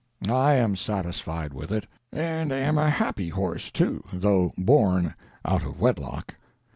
I am satisfied with it. And am a happy horse, too, though born out of wedlock.